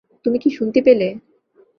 তুমি কি শুনতে পেলে?